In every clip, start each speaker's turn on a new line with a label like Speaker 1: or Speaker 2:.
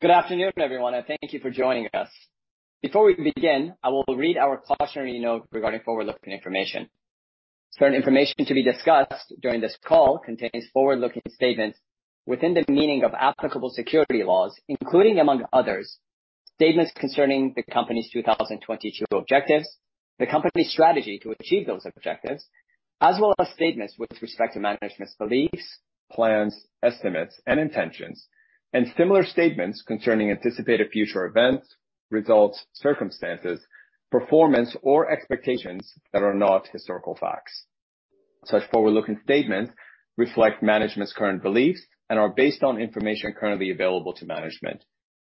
Speaker 1: Good afternoon, everyone, and thank you for joining us. Before we begin, I will read our cautionary note regarding forward-looking information. Certain information to be discussed during this call contains forward-looking statements within the meaning of applicable securities laws, including, among others, statements concerning the company's 2022 objectives, the company's strategy to achieve those objectives, as well as statements with respect to management's beliefs, plans, estimates, and intentions, and similar statements concerning anticipated future events, results, circumstances, performance, or expectations that are not historical facts. Such forward-looking statements reflect management's current beliefs and are based on information currently available to management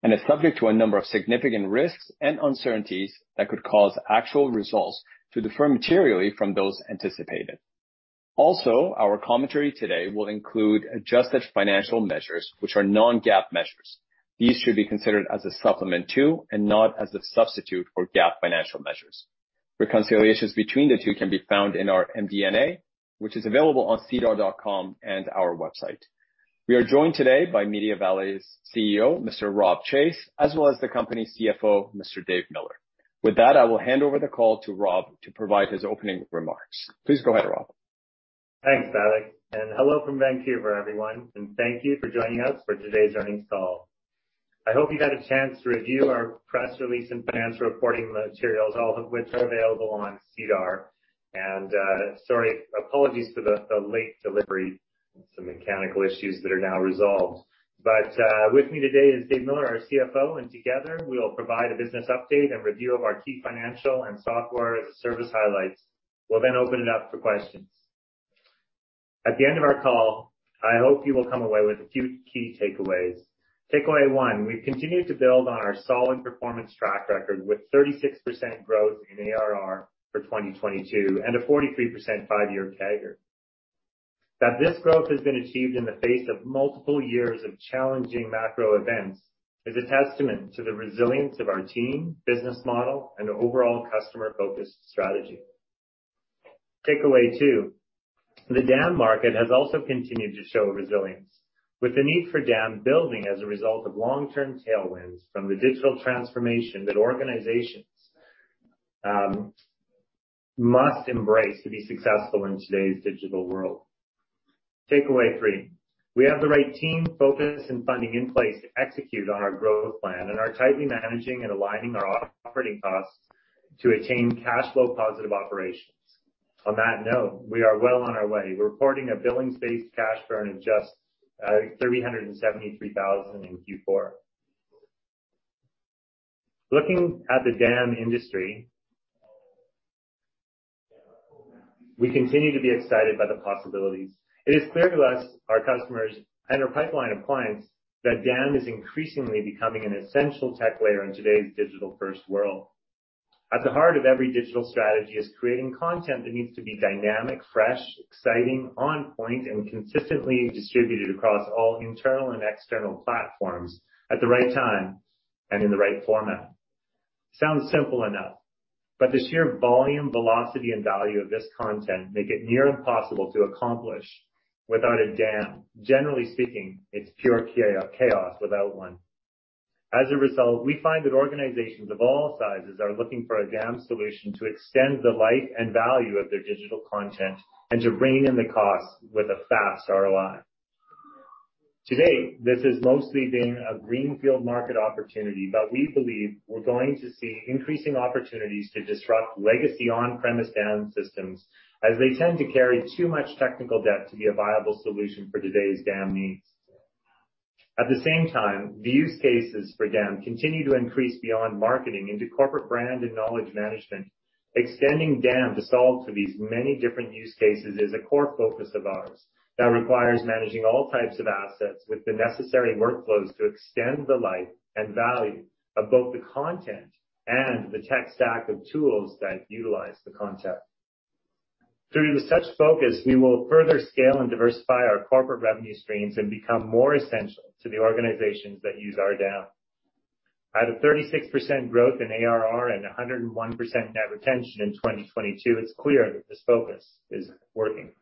Speaker 1: and are subject to a number of significant risks and uncertainties that could cause actual results to differ materially from those anticipated. Our commentary today will include adjusted financial measures, which are non-GAAP measures. These should be considered as a supplement to and not as a substitute for GAAP financial measures. Reconciliations between the two can be found in our MD&A, which is available on sedar.com And our website. We are joined today by MediaValet's CEO, Mr. Rob Chase, as well as the company's CFO, Mr. Dave Miller. With that, I will hand over the call to Rob to provide his opening remarks. Please go ahead, Rob.
Speaker 2: Thanks, Dhavik, and hello from Vancouver, everyone, and thank you for joining us for today's earnings call. I hope you got a chance to review our press release and financial reporting materials, all of which are available on SEDAR. Sorry, apologies for the late delivery. Some mechanical issues that are now resolved. With me today is Dave Miller, our CFO, and together we will provide a business update and review of our key financial and software as a service highlights. We'll then open it up for questions. At the end of our call, I hope you will come away with a few key takeaways. Takeaway one, we've continued to build on our solid performance track record with 36% growth in ARR for 2022 and a 43% five-year CAGR. That this growth has been achieved in the face of multiple years of challenging macro events is a testament to the resilience of our team, business model and overall customer-focused strategy. Takeaway two, the DAM market has also continued to show resilience. With the need for DAM building as a result of long-term tailwinds from the digital transformation that organizations must embrace to be successful in today's digital world. Takeaway three, we have the right team, focus and funding in place to execute on our growth plan and are tightly managing and aligning our operating costs to attain cash flow positive operations. On that note, we are well on our way. We're reporting a billings-based cash burn of just 373,000 in Q4. Looking at the DAM industry, we continue to be excited by the possibilities. It is clear to us, our customers and our pipeline of clients that DAM is increasingly becoming an essential tech layer in today's digital-first world. At the heart of every digital strategy is creating content that needs to be dynamic, fresh, exciting, on point, and consistently distributed across all internal and external platforms at the right time and in the right format. Sounds simple enough, but the sheer volume, velocity, and value of this content make it near impossible to accomplish without a DAM. Generally speaking, it's pure chaos without one. As a result, we find that organizations of all sizes are looking for a DAM solution to extend the life and value of their digital content and to rein in the costs with a fast ROI. To date, this has mostly been a greenfield market opportunity, but we believe we're going to see increasing opportunities to disrupt legacy on-premise DAM systems as they tend to carry too much technical debt to be a viable solution for today's DAM needs. At the same time, the use cases for DAM continue to increase beyond marketing into corporate brand and knowledge management. Extending DAM to solve to these many different use cases is a core focus of ours that requires managing all types of assets with the necessary workflows to extend the life and value of both the content and the tech stack of tools that utilize the content. Through such focus, we will further scale and diversify our corporate revenue streams and become more essential to the organizations that use our DAM. Out of 36% growth in ARR and 101% net retention in 2022, it's clear that this focus is working.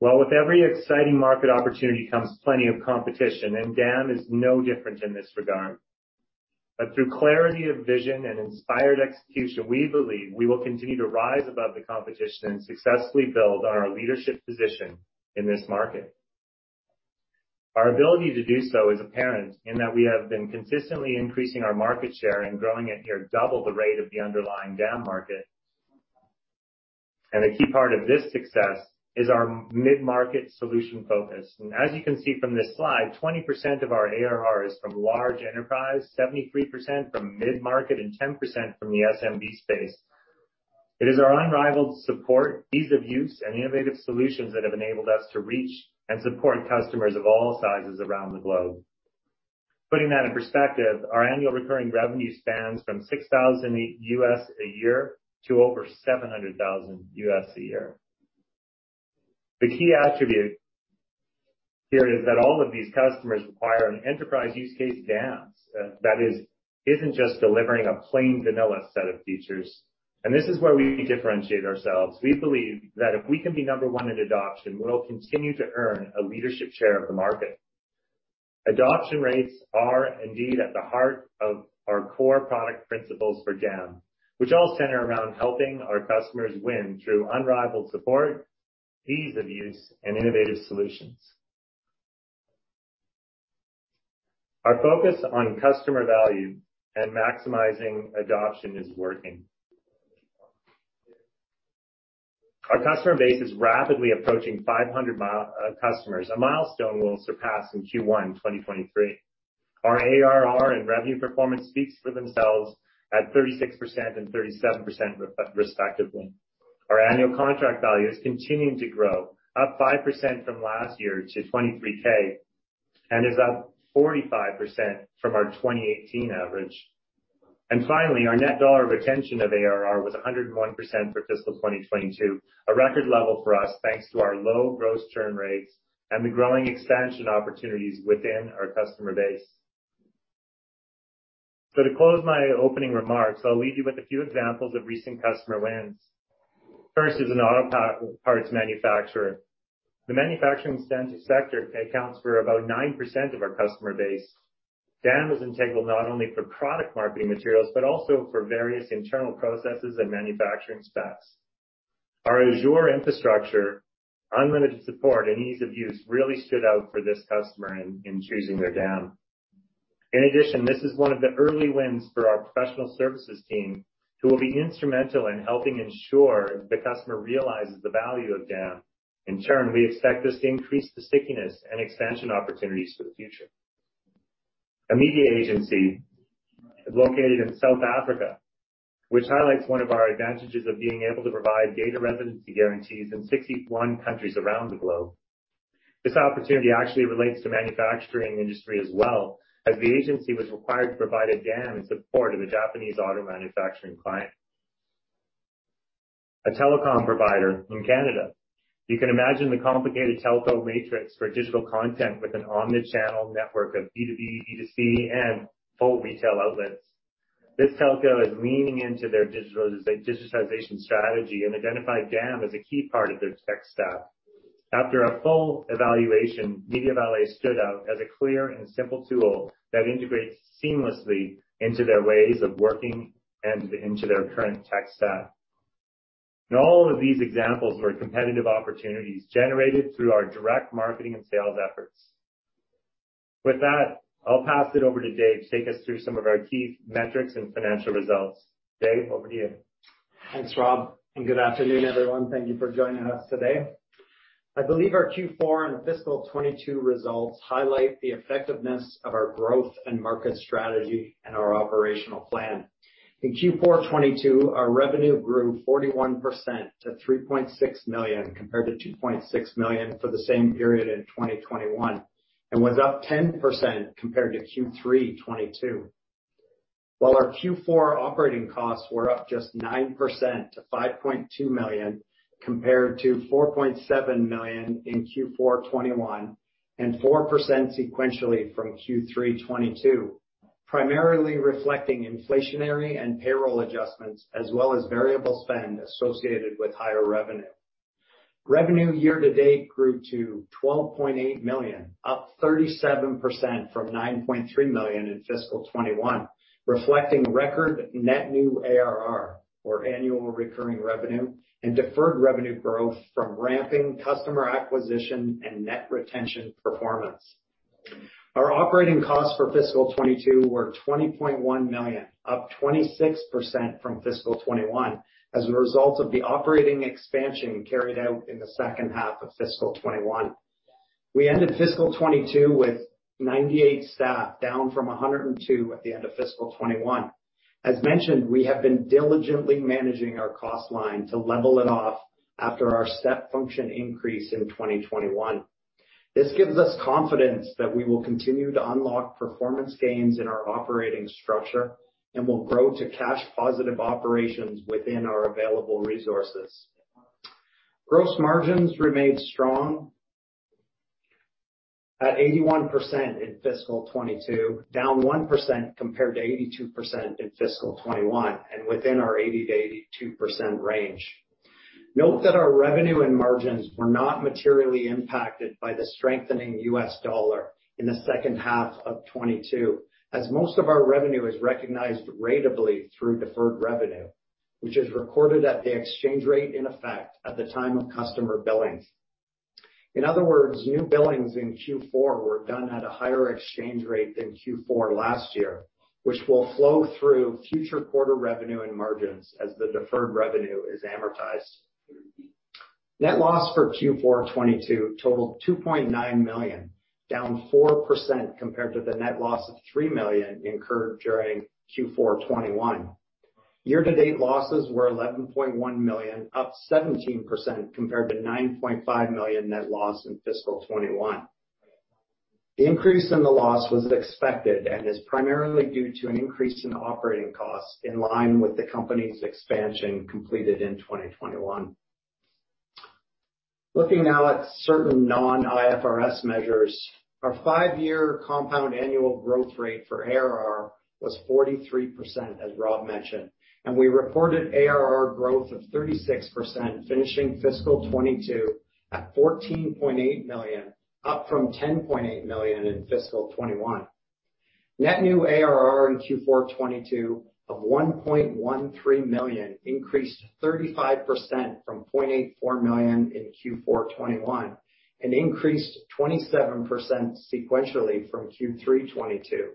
Speaker 2: Well, with every exciting market opportunity comes plenty of competition, and DAM is no different in this regard. Through clarity of vision and inspired execution, we believe we will continue to rise above the competition and successfully build on our leadership position in this market. Our ability to do so is apparent in that we have been consistently increasing our market share and growing at near double the rate of the underlying DAM market. A key part of this success is our mid-market solution focus. As you can see from this slide, 20% of our ARR is from large enterprise, 73% from mid-market and 10% from the SMB space. It is our unrivaled support, ease of use, and innovative solutions that have enabled us to reach and support customers of all sizes around the globe. Putting that in perspective, our annual recurring revenue spans from $6,000 a year to over $700,000 a year. The key attribute here is that all of these customers require an enterprise use case DAMs. That isn't just delivering a plain vanilla set of features. This is where we differentiate ourselves. We believe that if we can be number one in adoption, we will continue to earn a leadership share of the market. Adoption rates are indeed at the heart of our core product principles for DAM, which all center around helping our customers win through unrivaled support, ease of use, and innovative solutions. Our focus on customer value and maximizing adoption is working. Our customer base is rapidly approaching 500 customers, a milestone we'll surpass in Q1 2023. Our ARR and revenue performance speaks for themselves at 36% and 37% respectively. Our annual contract value is continuing to grow, up 5% from last year to 23,000 and is up 45% from our 2018 average. Finally, our net dollar retention of ARR was 101% for fiscal 2022, a record level for us, thanks to our low gross churn rates and the growing expansion opportunities within our customer base. To close my opening remarks, I'll leave you with a few examples of recent customer wins. First is an auto parts manufacturer. The manufacturing scientific sector accounts for about 9% of our customer base. DAM is integral not only for product marketing materials, but also for various internal processes and manufacturing specs. Our Azure infrastructure, unlimited support, and ease of use really stood out for this customer in choosing their DAM. This is one of the early wins for our professional services team, who will be instrumental in helping ensure the customer realizes the value of DAM. In turn, we expect this to increase the stickiness and expansion opportunities for the future. A media agency located in South Africa, which highlights one of our advantages of being able to provide data residency guarantees in 61 countries around the globe. This opportunity actually relates to manufacturing industry as well, as the agency was required to provide a DAM in support of a Japanese auto manufacturing client. A telecom provider from Canada. You can imagine the complicated telco matrix for digital content with an omni-channel network of B2B, B2C, and full retail outlets. This telco is leaning into their digitization strategy and identified DAM as a key part of their tech stack. After a full evaluation, MediaValet stood out as a clear and simple tool that integrates seamlessly into their ways of working and into their current tech stack. All of these examples were competitive opportunities generated through our direct marketing and sales efforts. With that, I'll pass it over to Dave to take us through some of our key metrics and financial results. Dave, over to you.
Speaker 3: Thanks, Rob. Good afternoon, everyone. Thank you for joining us today. I believe our Q4 and fiscal 2022 results highlight the effectiveness of our growth and market strategy and our operational plan. In Q4 2022, our revenue grew 41% to 3.6 million, compared to 2.6 million for the same period in 2021, and was up 10% compared to Q3 2022. Our Q4 operating costs were up just 9% to 5.2 million compared to 4.7 million in Q4 2021, and 4% sequentially from Q3 2022, primarily reflecting inflationary and payroll adjustments as well as variable spend associated with higher revenue. Revenue year-to-date grew to 12.8 million, up 37% from 9.3 million in fiscal 2021, reflecting record net new ARR, or annual recurring revenue, and deferred revenue growth from ramping customer acquisition and net retention performance. Our operating costs for fiscal 2022 were 20.1 million, up 26% from fiscal 2021 as a result of the operating expansion carried out in the second half of fiscal 2021. We ended fiscal 2022 with 98 staff, down from 102 at the end of fiscal 2021. As mentioned, we have been diligently managing our cost line to level it off after our step function increase in 2021. This gives us confidence that we will continue to unlock performance gains in our operating structure and will grow to cash positive operations within our available resources. Gross margins remained strong at 81% in fiscal 2022, down 1% compared to 82% in fiscal 2021, and within our 80%-82% range. Note that our revenue and margins were not materially impacted by the strengthening U.S. dollar in the second half of 2022, as most of our revenue is recognized ratably through deferred revenue, which is recorded at the exchange rate in effect at the time of customer billings. In other words, new billings in Q4 were done at a higher exchange rate than Q4 last year, which will flow through future quarter revenue and margins as the deferred revenue is amortized. Net loss for Q4 2022 totaled 2.9 million, down 4% compared to the net loss of 3 million incurred during Q4 2021. Year-to-date losses were 11.1 million, up 17% compared to 9.5 million net loss in fiscal 2021. The increase in the loss was expected and is primarily due to an increase in operating costs in line with the company's expansion completed in 2021. Looking now at certain non-IFRS measures. Our five-year compound annual growth rate for ARR was 43%, as Rob mentioned, and we reported ARR growth of 36%, finishing fiscal 2022 at 14.8 million, up from 10.8 million in fiscal 2021. Net new ARR in Q4 2022 of 1.13 million increased 35% from 0.84 million in Q4 2021, and increased 27% sequentially from Q3 2022.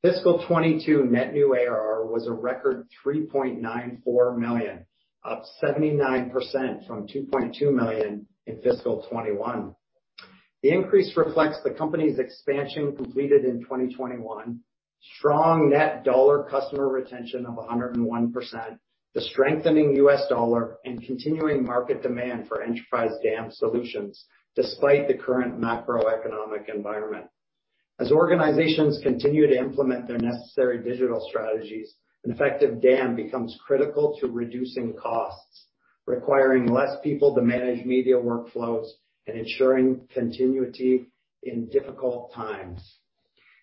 Speaker 3: Fiscal 2022 net new ARR was a record 3.94 million, up 79% from 2.2 million in fiscal 2021. The increase reflects the company's expansion completed in 2021, strong net dollar customer retention of 101%, the strengthening U.S. dollar, and continuing market demand for enterprise DAM solutions despite the current macroeconomic environment. As organizations continue to implement their necessary digital strategies, an effective DAM becomes critical to reducing costs, requiring less people to manage media workflows and ensuring continuity in difficult times.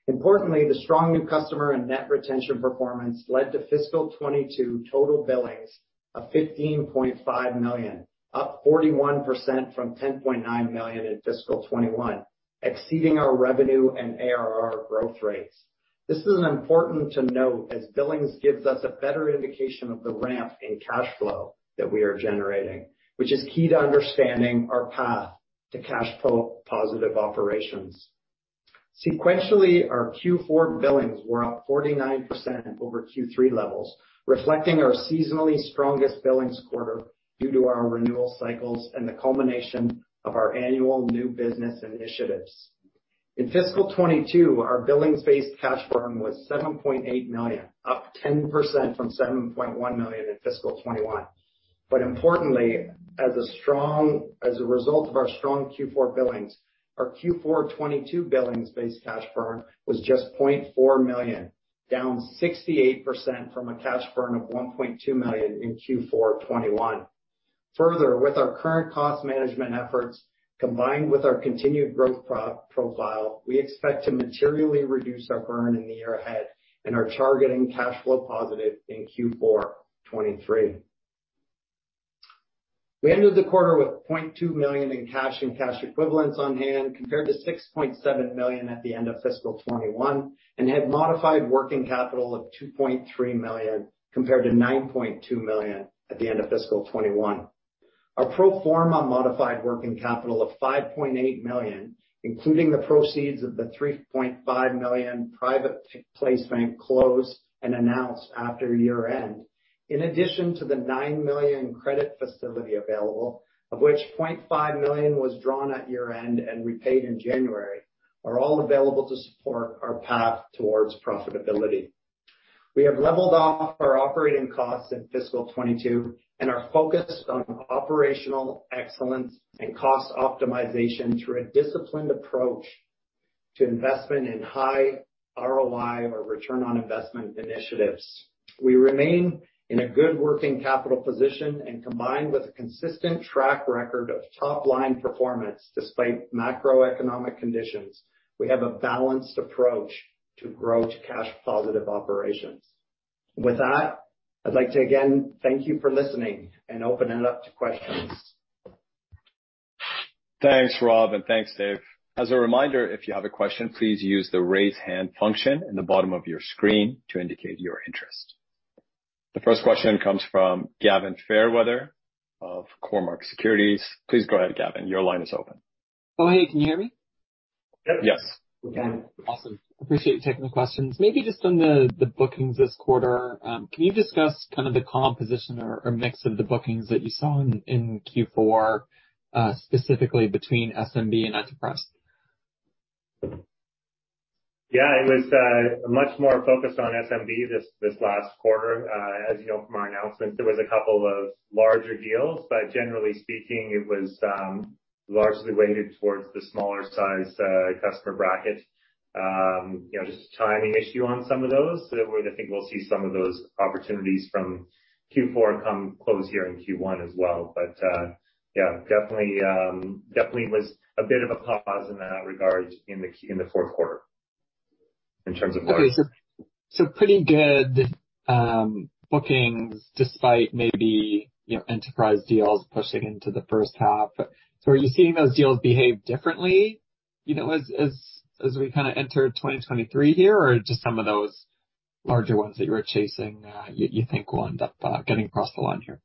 Speaker 3: Importantly, the strong new customer and net retention performance led to fiscal 2022 total billings of 15.5 million, up 41% from 10.9 million in fiscal 2021, exceeding our revenue and ARR growth rates. This is important to note as billings gives us a better indication of the ramp in cash flow that we are generating, which is key to understanding our path to cash flow positive operations. Sequentially, our Q4 billings were up 49% over Q3 levels, reflecting our seasonally strongest billings quarter due to our renewal cycles and the culmination of our annual new business initiatives. In fiscal 2022, our billings based cash burn was 7.8 million, up 10% from 7.1 million in fiscal 2021. Importantly, as a result of our strong Q4 billings, our Q4 2022 billings based cash burn was just 0.4 million, down 68% from a cash burn of 1.2 million in Q4 2021. With our current cost management efforts, combined with our continued growth pro-profile, we expect to materially reduce our burn in the year ahead and are targeting cash flow positive in Q4 2023. We ended the quarter with 0.2 million in cash and cash equivalents on hand compared to 6.7 million at the end of fiscal 2021. Had modified working capital of 2.3 million compared to 9.2 million at the end of fiscal 2021. Our pro forma modified working capital of 5.8 million, including the proceeds of the 3.5 million private placement closed and announced after year-end, in addition to the 9 million credit facility available, of which 0.5 million was drawn at year-end and repaid in January, are all available to support our path towards profitability. We have leveled off our operating costs in fiscal 2022 and are focused on operational excellence and cost optimization through a disciplined approach to investment in high ROI or return on investment initiatives. We remain in a good working capital position and combined with a consistent track record of top-line performance despite macroeconomic conditions, we have a balanced approach to grow to cash positive operations. With that, I'd like to again thank you for listening and open it up to questions.
Speaker 1: Thanks, Rob, and thanks, Dave. As a reminder, if you have a question, please use the raise hand function in the bottom of your screen to indicate your interest. The first question comes from Gavin Fairweather of Cormark Securities. Please go ahead, Gavin. Your line is open.
Speaker 4: Oh, hey, can you hear me?
Speaker 2: Yep.
Speaker 1: Yes.
Speaker 4: Okay. Awesome. Appreciate you taking the questions. Maybe just on the bookings this quarter, can you discuss kind of the composition or mix of the bookings that you saw in Q4, specifically between SMB and enterprise?
Speaker 2: It was much more focused on SMB this last quarter. As you know, from our announcements, there was a couple of larger deals, but generally speaking, it was largely weighted towards the smaller size customer bracket. You know, just a timing issue on some of those. I think we'll see some of those opportunities from Q4 come close here in Q1 as well. Yeah, definitely was a bit of a pause in that regard in the fourth quarter in terms of bookings.
Speaker 4: Okay. Pretty good, bookings despite maybe, you know, enterprise deals pushing into the first half. Are you seeing those deals behave differently, you know, as we kind of enter 2023 here, or just some of those larger ones that you think will end up getting across the line here?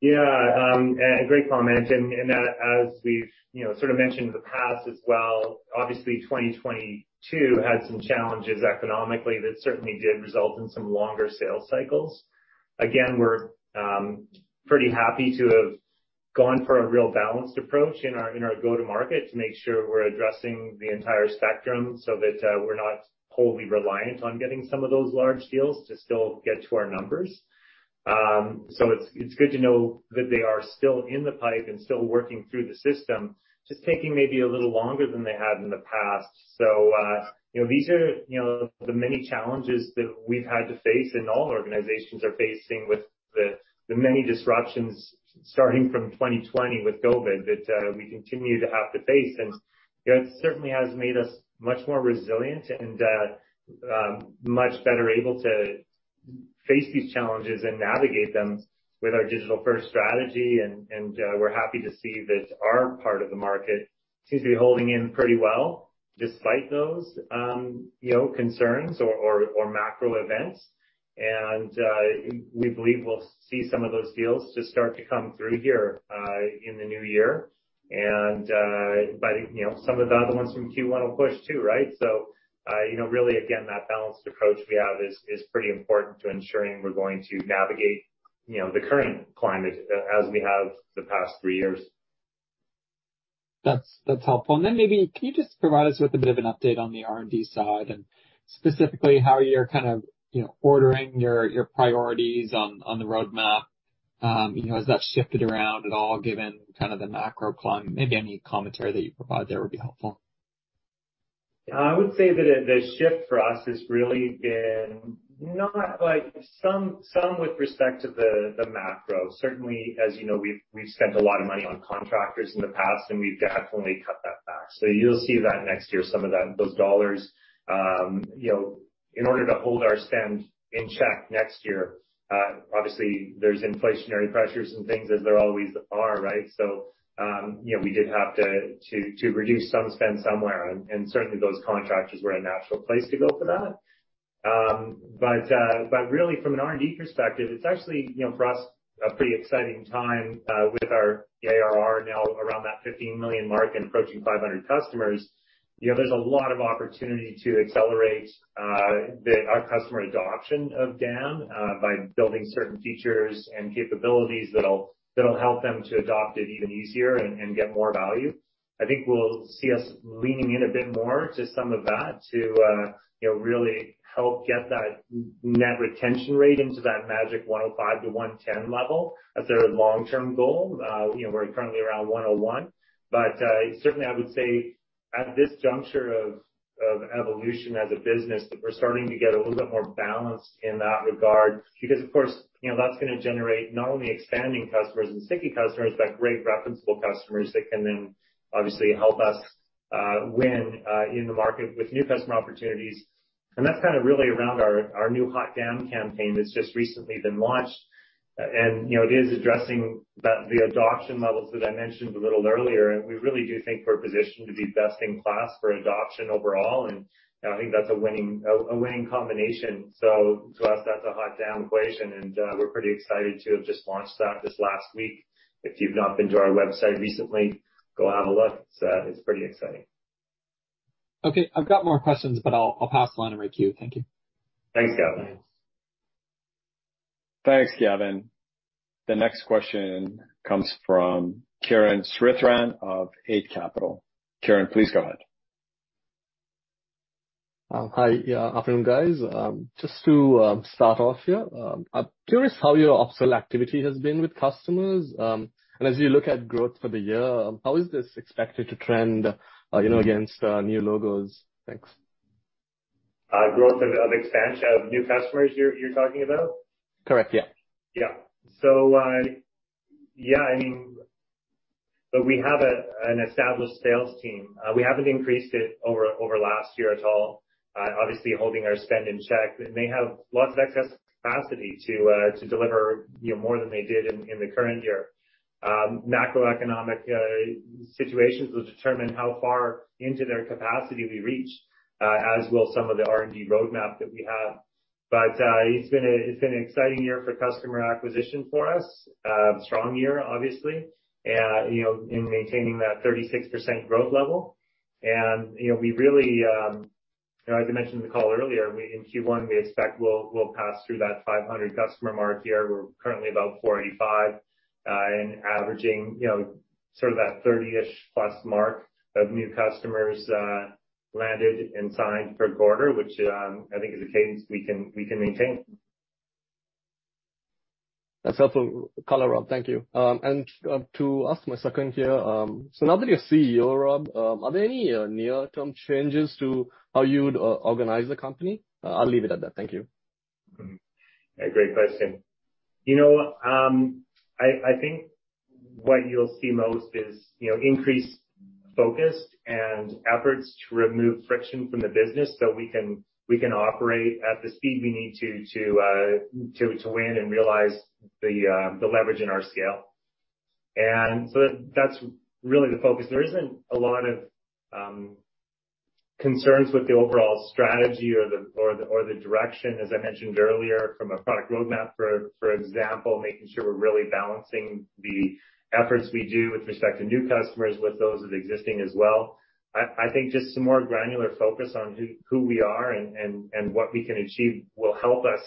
Speaker 2: Yeah. A great comment. As we've, you know, sort of mentioned in the past as well, obviously 2022 had some challenges economically that certainly did result in some longer sales cycles. Again, we're pretty happy to have gone for a real balanced approach in our go-to-market to make sure we're addressing the entire spectrum so that we're not wholly reliant on getting some of those large deals to still get to our numbers. It's good to know that they are still in the pipe and still working through the system, just taking maybe a little longer than they have in the past. you know, these are, you know, the many challenges that we've had to face and all organizations are facing with the many disruptions starting from 2020 with COVID that, we continue to have to face. you know, it certainly has made us much more resilient and, much better able to Face these challenges and navigate them with our digital first strategy. we're happy to see that our part of the market seems to be holding in pretty well despite those, you know, concerns or macro events. we believe we'll see some of those deals just start to come through here in the new year. you know, some of the other ones from Q1 will push too, right? you know, really, again, that balanced approach we have is pretty important to ensuring we're going to navigate, you know, the current climate as we have the past three years.
Speaker 4: That's helpful. Maybe can you just provide us with a bit of an update on the R&D side and specifically how you're kind of, you know, ordering your priorities on the roadmap? You know, has that shifted around at all given kind of the macro climate? Maybe any commentary that you provide there would be helpful.
Speaker 2: I would say that, the shift for us has really been some with respect to the macro. Certainly, as you know, we've spent a lot of money on contractors in the past, and we've definitely cut that back. You'll see that next year, some of those dollars. You know, in order to hold our spend in check next year, obviously there's inflationary pressures and things as there always are, right? You know, we did have to reduce some spend somewhere, and certainly those contractors were a natural place to go for that. Really from an R&D perspective, it's actually, you know, for us, a pretty exciting time, with our ARR now around that 15 million mark and approaching 500 customers. You know, there's a lot of opportunity to accelerate our customer adoption of DAM by building certain features and capabilities that'll help them to adopt it even easier and get more value. I think we'll see us leaning in a bit more to some of that to, you know, really help get that net retention rate into that magic 105%-110% level as our long-term goal. You know, we're currently around 101%. Certainly I would say at this juncture of evolution as a business, that we're starting to get a little bit more balanced in that regard, because of course, you know, that's gonna generate not only expanding customers and sticky customers, but great referenceable customers that can then obviously help us win in the market with new customer opportunities. That's kind of really around our new HotDAM! Campaign that's just recently been launched. You know, it is addressing the adoption levels that I mentioned a little earlier, and we really do think we're positioned to be best in class for adoption overall. I think that's a winning combination. To us, that's a HotDAM! equation, and we're pretty excited to have just launched that this last week. If you've not been to our website recently, go have a look. It's pretty exciting.
Speaker 4: Okay. I've got more questions, but I'll pass the line to queue. Thank you.
Speaker 2: Thanks, Gavin.
Speaker 1: Thanks, Gavin. The next question comes from Kiran Sritharan of Eight Capital. Kiran, please go ahead.
Speaker 5: Hi. Yeah, afternoon, guys. Just to start off here, I'm curious how your upsell activity has been with customers. As you look at growth for the year, how is this expected to trend, you know, against new logos? Thanks.
Speaker 2: Growth of expansion of new customers, you're talking about?
Speaker 5: Correct. Yeah.
Speaker 2: Yeah. I mean, look, we have an established sales team. We haven't increased it over last year at all. Obviously holding our spend in check. They may have lots of excess capacity to deliver, you know, more than they did in the current year. Macroeconomic situations will determine how far into their capacity we reach, as will some of the R&D roadmap that we have. It's been an exciting year for customer acquisition for us. Strong year, obviously. You know, in maintaining that 36% growth level. You know, we really, you know, as I mentioned in the call earlier, in Q1, we expect we'll pass through that 500 customer mark here. We're currently about 485, and averaging, you know, sort of that 30-ish plus mark of new customers, landed and signed per quarter, which, I think is a pace we can maintain.
Speaker 5: That's helpful color, Rob. Thank you. To ask my second here, now that you're CEO, Rob, are there any near-term changes to how you'd organize the company? I'll leave it at that. Thank you.
Speaker 2: A great question. You know, I think what you'll see most is, you know, increased focus and efforts to remove friction from the business so we can operate at the speed we need to win and realize the leverage in our scale. That's really the focus. There isn't a lot of concerns with the overall strategy or the direction, as I mentioned earlier, from a product roadmap, for example, making sure we're really balancing the efforts we do with respect to new customers with those that are existing as well. I think just some more granular focus on who we are and what we can achieve will help us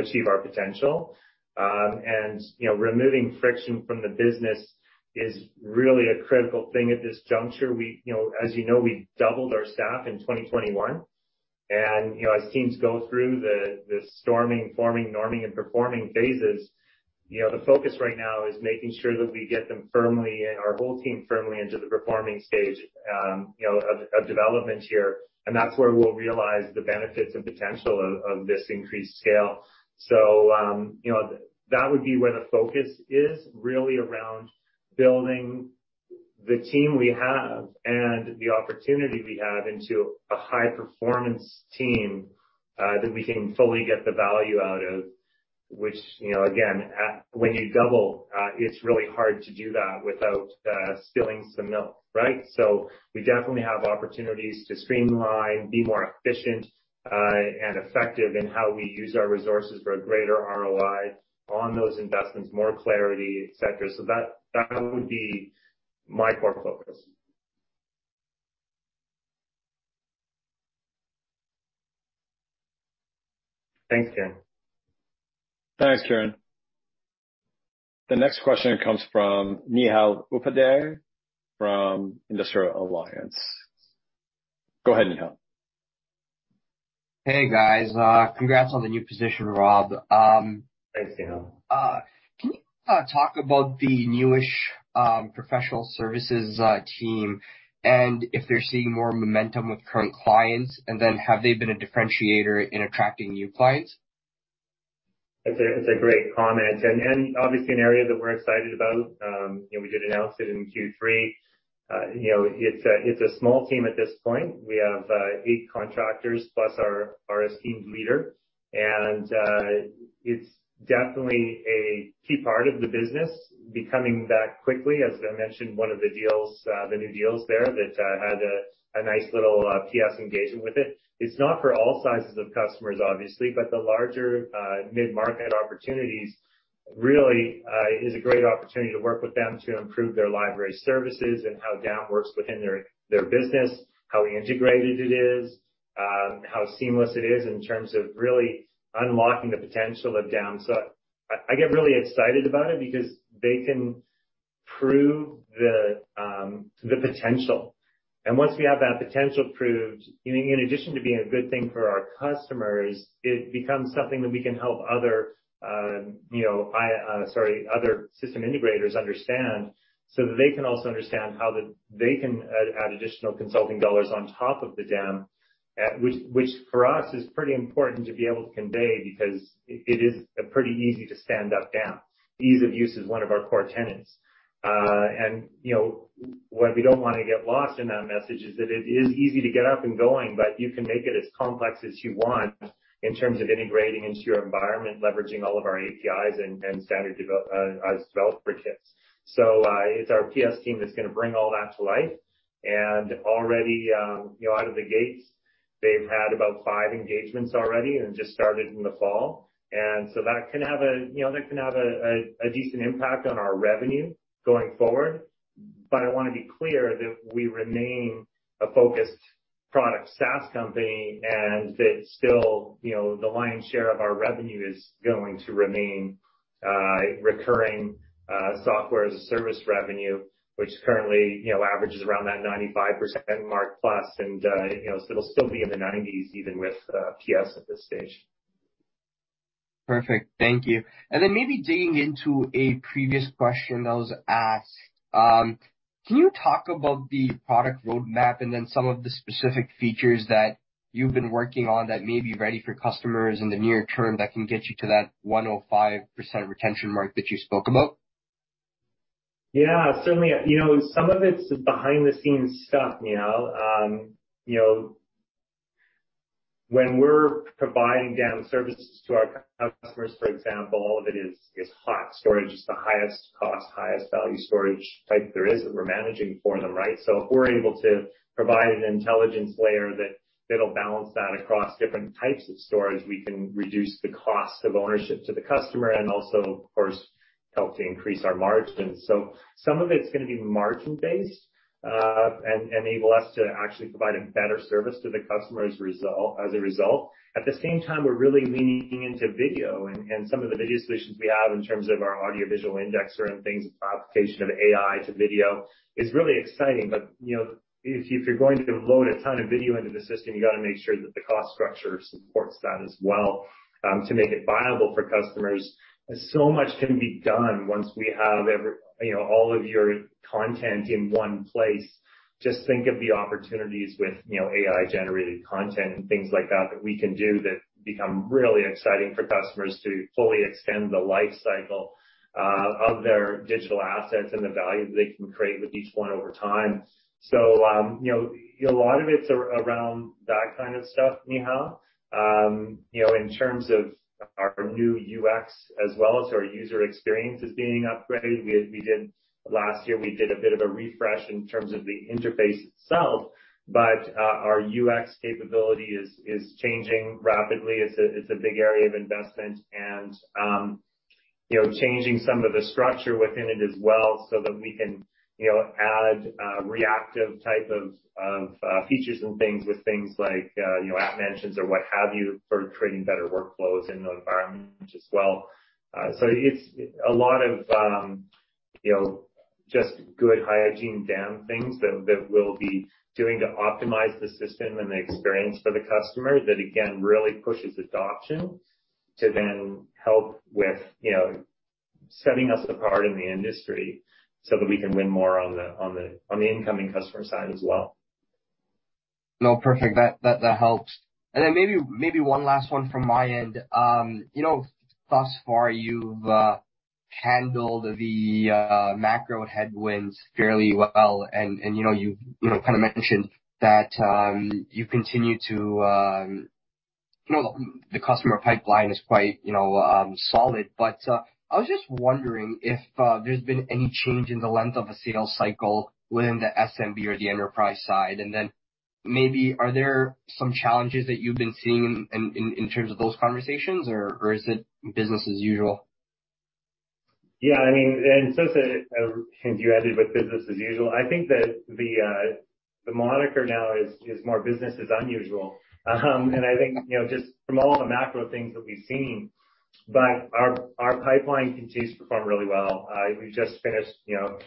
Speaker 2: achieve our potential. You know, removing friction from the business is really a critical thing at this juncture. We, you know, as you know, we doubled our staff in 2021. You know, as teams go through the storming, forming, norming and performing phases, you know, the focus right now is making sure that we get them firmly and our whole team firmly into the performing stage, you know, of development here. That's where we'll realize the benefits and potential of this increased scale. You know, that would be where the focus is, really around building the team we have and the opportunity we have into a high performance team, that we can fully get the value out of which, you know, again, when you double, it's really hard to do that without spilling some milk, right? We definitely have opportunities to streamline, be more efficient, and effective in how we use our resources for a greater ROI on those investments, more clarity, et cetera. That would be my core focus. Thanks, Kiran.
Speaker 1: Thanks, Kiran. The next question comes from Neehal Upadhyaya from Industrial Alliance. Go ahead, Neehal.
Speaker 6: Hey, guys. congrats on the new position, Rob.
Speaker 2: Thanks, Neehal.
Speaker 6: Can you talk about the newish professional services team, and if they're seeing more momentum with current clients, and then have they been a differentiator in attracting new clients?
Speaker 2: It's a, it's a great comment and obviously an area that we're excited about. You know, we did announce it in Q3. You know, it's a, it's a small team at this point. We have eight contractors plus our esteemed leader. It's definitely a key part of the business becoming that quickly. As I mentioned, one of the deals, the new deals there that had a nice little, PS engagement with it. It's not for all sizes of customers, obviously, but the larger, mid-market opportunities really is a great opportunity to work with them to improve their library services and how DAM works within their business, how integrated it is, how seamless it is in terms of really unlocking the potential of DAM. I get really excited about it because they can prove the potential. Once we have that potential proved, in addition to being a good thing for our customers, it becomes something that we can help other, you know, sorry, other system integrators understand, so that they can also understand how that they can add additional consulting dollars on top of the DAM. Which for us is pretty important to be able to convey because it is a pretty easy to stand up DAM. Ease of use is one of our core tenets. You know, what we don't wanna get lost in that message is that it is easy to get up and going, but you can make it as complex as you want in terms of integrating into your environment, leveraging all of our APIs and standard developer kits. It's our PS team that's gonna bring all that to life. Already, you know, out of the gates, they've had about five engagements already, and it just started in the fall. That can have a, you know, that can have a decent impact on our revenue going forward. I wanna be clear that we remain a focused product SaaS company, that still, you know, the lion's share of our revenue is going to remain recurring software as a service revenue, which currently, you know, averages around that 95% mark plus. You know, so it'll still be in the 90s even with PS at this stage.
Speaker 6: Perfect. Thank you. Maybe digging into a previous question that was asked, can you talk about the product roadmap and then some of the specific features that you've been working on that may be ready for customers in the near term that can get you to that 105% retention mark that you spoke about?
Speaker 2: Yeah, certainly. You know, some of it's behind the scenes stuff, Neehal. You know, when we're providing DAM services to our customers, for example, all of it is hot storage. It's the highest cost, highest value storage type there is that we're managing for them, right? If we're able to provide an intelligence layer that'll balance that across different types of storage, we can reduce the cost of ownership to the customer and also, of course, help to increase our margins. Some of it's gonna be margin based and enable us to actually provide a better service to the customer as a result. At the same time, we're really leaning into video and some of the video solutions we have in terms of our Audio/Video indexer and things, application of AI to video is really exciting. You know, if you're going to load a ton of video into the system, you gotta make sure that the cost structure supports that as well to make it viable for customers. So much can be done once we have every, you know, all of your content in one place. Just think of the opportunities with, you know, AI-generated content and things like that we can do that become really exciting for customers to fully extend the life cycle of their digital assets and the value they can create with each one over time. You know, a lot of it's around that kind of stuff, Neehal. You know, in terms of our new UX as well, so our user experience is being upgraded. Last year, we did a bit of a refresh in terms of the interface itself, but our UX capability is changing rapidly. It's a big area of investment and, you know, changing some of the structure within it as well so that we can, you know, add reactive type of features and things with things like, you know, at mentions or what have you for creating better workflows in those environments as well. It's a lot of, you know, just good hygiene DAM things that we'll be doing to optimize the system and the experience for the customer that again, really pushes adoption to then help with, you know, setting us apart in the industry so that we can win more on the incoming customer side as well.
Speaker 6: No, perfect. That, that helps. Then maybe one last one from my end. you know, thus far you've handled the macro headwinds fairly well and you know, you've, you know, kind of mentioned that, you continue to, you know, the customer pipeline is quite, you know, solid. I was just wondering if there's been any change in the length of a sales cycle within the SMB or the enterprise side, and then maybe are there some challenges that you've been seeing in, in terms of those conversations or is it business as usual?
Speaker 2: Yeah, I mean, since you added with business as usual, I think that the moniker now is more business as unusual. I think, you know, just from all the macro things that we've seen, but our pipeline continues to perform really well. We just finished, you know.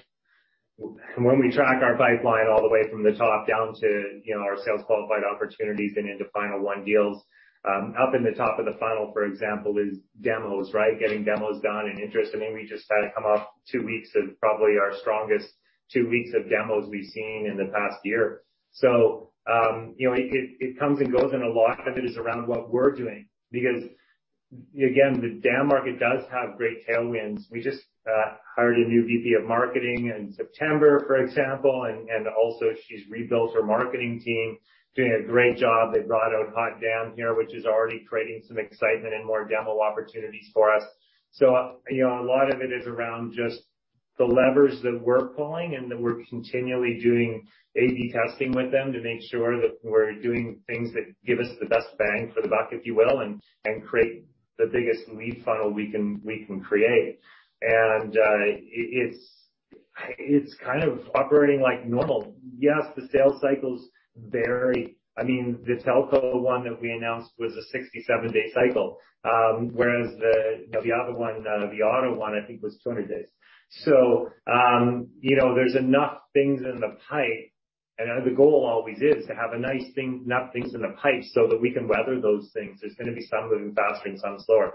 Speaker 2: When we track our pipeline all the way from the top down to, you know, our sales qualified opportunities and into final won deals, up in the top of the funnel, for example, is demos, right? Getting demos done and interest. I mean, we just had come up two weeks of probably our strongest two weeks of demos we've seen in the past year. You know, it, it comes and goes, and a lot of it is around what we're doing because, again, the DAM market does have great tailwinds. We just hired a new VP of Marketing in September, for example. Also she's rebuilt her marketing team, doing a great job. They brought out HotDAM! here, which is already creating some excitement and more demo opportunities for us. You know, a lot of it is around just the levers that we're pulling and that we're continually doing A/B testing with them to make sure that we're doing things that give us the best bang for the buck, if you will, and create the biggest lead funnel we can create. It's kind of operating like normal. Yes, the sales cycles vary. I mean, the telco one that we announced was a 67-day cycle, whereas the other one, the auto one, I think was 200 days. you know, there's enough things in the pipe, and the goal always is to have enough things in the pipe so that we can weather those things. There's gonna be some moving faster and some slower.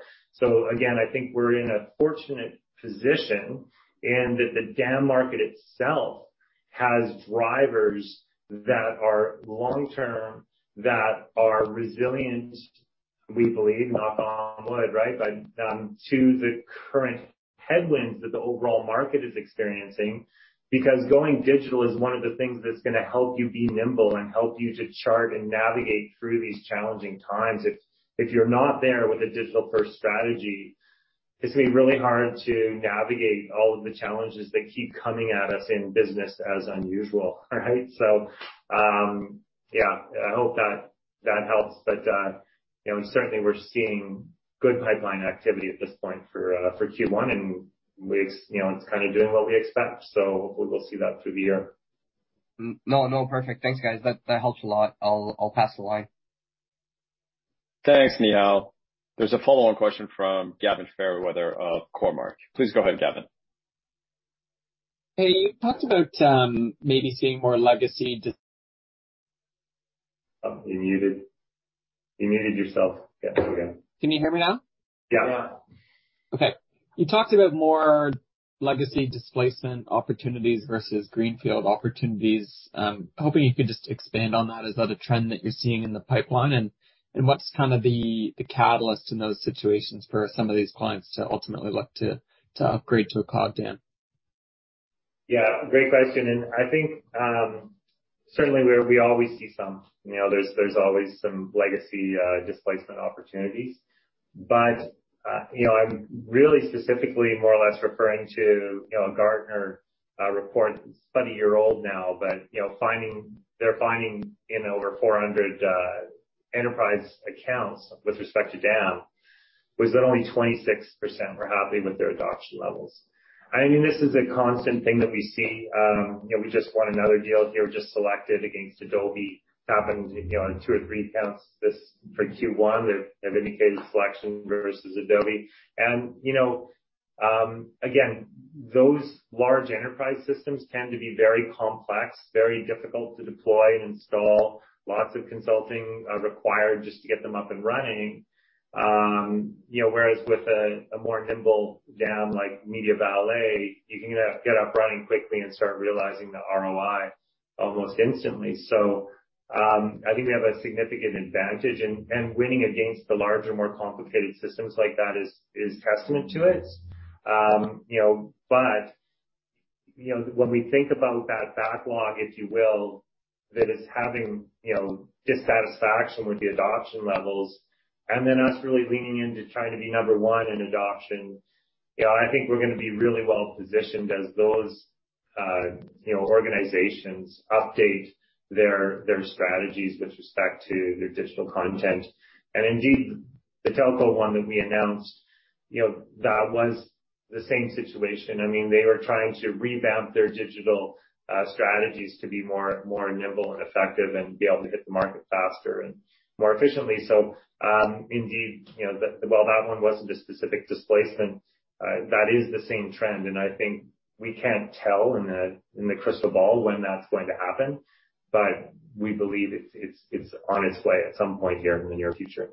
Speaker 2: Again, I think we're in a fortunate position in that the DAM market itself has drivers that are long term, that are resilient, we believe, knock on wood, right? To the current headwinds that the overall market is experiencing, because going digital is one of the things that's gonna help you be nimble and help you to chart and navigate through these challenging times. If you're not there with a digital-first strategy, it's gonna be really hard to navigate all of the challenges that keep coming at us in business as unusual, right? Yeah, I hope that that helps. You know, certainly we're seeing good pipeline activity at this point for Q1, and you know, it's kind of doing what we expect, hopefully we'll see that through the year.
Speaker 6: No, no. Perfect. Thanks, guys. That helps a lot. I'll pass along.
Speaker 1: Thanks, Neehal. There's a follow-on question from Gavin Fairweather of Cormark. Please go ahead, Gavin.
Speaker 4: Hey, you talked about, maybe seeing more legacy.
Speaker 2: You muted yourself. Yeah, go again.
Speaker 4: Can you hear me now?
Speaker 2: Yeah.
Speaker 4: Okay. You talked about more legacy displacement opportunities versus greenfield opportunities. Hoping you could just expand on that. Is that a trend that you're seeing in the pipeline and what's kind of the catalyst in those situations for some of these clients to ultimately look to upgrade to a cloud DAM?
Speaker 2: Yeah, great question. I think, certainly we always see some, you know, there's always some legacy displacement opportunities. You know, I'm really specifically more or less referring to, you know, a Gartner report. It's about a year old now, but, you know, they're finding in over 400 enterprise accounts with respect to DAM was that only 26% were happy with their adoption levels. I mean, this is a constant thing that we see. You know, we just won another deal here, just selected against Adobe, happened, you know, in two or three accounts for Q1. They've, they've indicated selection versus Adobe. You know, again, those large enterprise systems tend to be very complex, very difficult to deploy and install. Lots of consulting required just to get them up and running. You know, whereas with a more nimble DAM like MediaValet, you can get up running quickly and start realizing the ROI almost instantly. I think we have a significant advantage and winning against the larger, more complicated systems like that is testament to it. You know, when we think about that backlog, if you will, that is having, you know, dissatisfaction with the adoption levels and then us really leaning into trying to be number one in adoption. I think we're gonna be really well positioned as those, you know, organizations update their strategies with respect to their digital content. The telco one that we announced, you know, that was the same situation. I mean, they were trying to revamp their digital strategies to be more nimble and effective and be able to hit the market faster and more efficiently. Indeed, you know, while that one wasn't a specific displacement, that is the same trend, and I think we can't tell in the crystal ball when that's going to happen, but we believe it's on its way at some point here in the near future.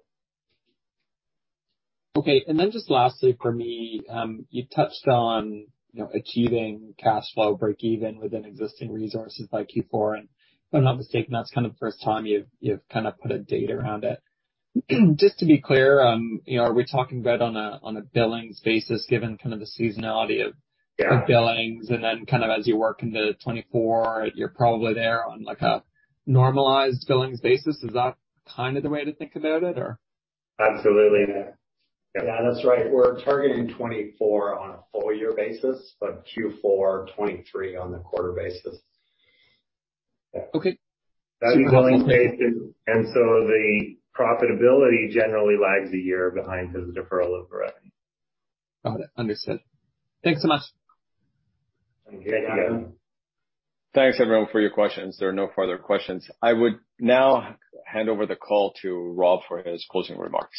Speaker 4: Okay. Then just lastly for me, you touched on, you know, achieving cash flow breakeven within existing resources by Q4. If I'm not mistaken, that's kind of the first time you've kind of put a date around it. Just to be clear, you know, are we talking about on a, on a billings basis?
Speaker 2: Yeah.
Speaker 4: -the billings and then kind of as you work into 2024, you're probably there on like a normalized billings basis? Is that kind of the way to think about it or?
Speaker 2: Absolutely. Yeah, that's right. We're targeting 2024 on a full year basis, but Q4, 2023 on a quarter basis. Yeah.
Speaker 4: Okay.
Speaker 2: That billings basis, and so the profitability generally lags a year behind because of deferral of revenue.
Speaker 4: Got it. Understood. Thanks so much.
Speaker 2: Thank you, Gavin.
Speaker 1: Thanks everyone for your questions. There are no further questions. I would now hand over the call to Rob for his closing remarks.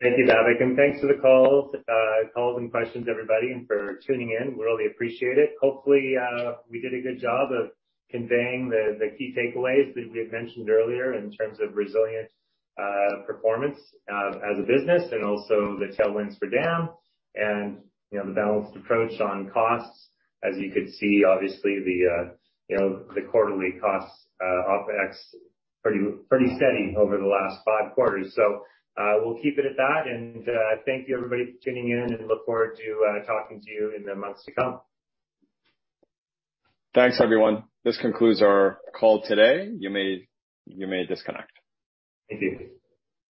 Speaker 2: Thank you, Dhavik, and thanks for the calls and questions, everybody, and for tuning in. We really appreciate it. Hopefully, we did a good job of conveying the key takeaways that we had mentioned earlier in terms of resilient performance as a business and also the tailwinds for DAM and, you know, the balanced approach on costs. As you could see, obviously the quarterly costs, OpEx pretty steady over the last five quarters. We'll keep it at that. Thank you, everybody, for tuning in and look forward to talking to you in the months to come.
Speaker 1: Thanks, everyone. This concludes our call today. You may disconnect.
Speaker 2: Thank you.